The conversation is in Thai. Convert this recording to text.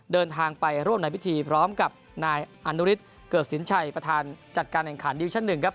เดินทางไปร่วมในพิธีพร้อมกับนายอนุฤทธิเกิดสินชัยประธานจัดการแข่งขันดิวิชั่นหนึ่งครับ